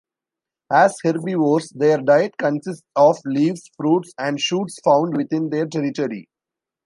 As herbivores, their diet consists of leaves, fruits, and shoots found within their territory.